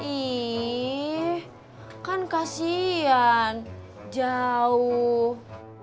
ih kan kasihan jauh